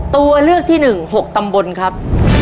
ตัวเลือกที่๑๖ตำบลครับ